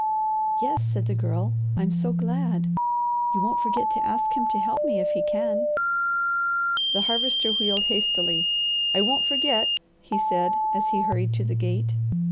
"Yes," said the Girl. "I'm so glad. You won't forget to ask him to help me if he can?" The Harvester wheeled hastily. "I won't forget!" he said, as he hurried to the gate.